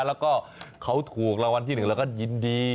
แล้วก็เขาถูกราวรรณที่หนึ่งเราก็ยินดี